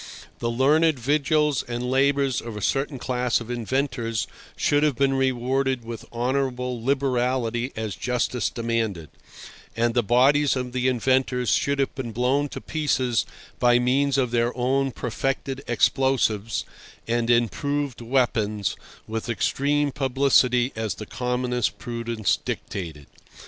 The learned vigils and labours of a certain class of inventors should have been rewarded with honourable liberality as justice demanded; and the bodies of the inventors should have been blown to pieces by means of their own perfected explosives and improved weapons with extreme publicity as the commonest prudence dictated.